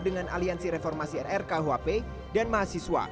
dengan aliansi reformasi rrkuhp dan mahasiswa